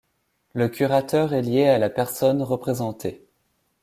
Le curateur est lié à la personne représentée.